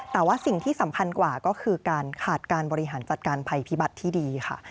แต่ว่าสิ่งที่สำคัญกว่าก็คือการขาดการบริหารจัดการภัยพิบัติที่ดีค่ะ